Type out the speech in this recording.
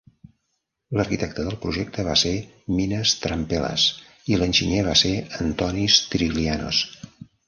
L'arquitecte del projecte va ser Minas Trempelas i l'enginyer va ser Antonis Triglianos.